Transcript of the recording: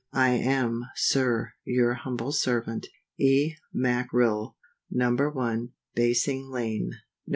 I am, SIR, your humble servant, E. MACKRILL. No. 1, Basing lane, Nov.